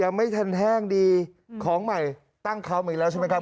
ไม่ทันแห้งดีของใหม่ตั้งเขามาอีกแล้วใช่ไหมครับ